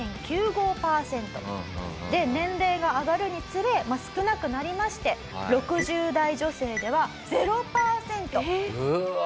年齢が上がるにつれ少なくなりまして６０代女性では０パーセント。